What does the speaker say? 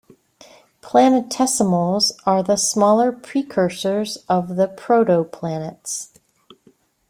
Planetesimals are the smaller precursors of the protoplanets.